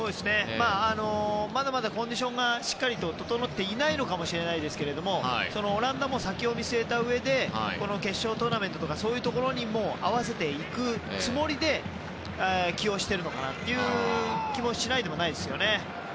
まだまだコンディションがしっかり整っていないのかもしれませんがオランダも先を見据えたうえで決勝トーナメントとかそういうところにも合わせていくつもりで起用しているのかなという気もしないでもないですね。